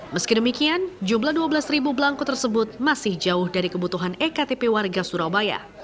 meski demikian jumlah dua belas belangku tersebut masih jauh dari kebutuhan ektp warga surabaya